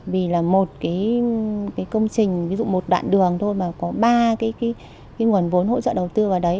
vì là một cái công trình ví dụ một đoạn đường thôi mà có ba cái nguồn vốn hỗ trợ đầu tư vào đấy